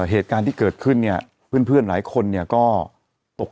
เหตุการณ์ที่เกิดขึ้นเนี่ยเพื่อนหลายคนเนี่ยก็ตก